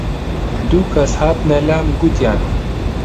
دوو کەس هاتنە لام گوتیان: